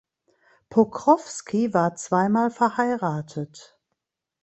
Pokrowski war zweimal verheiratet.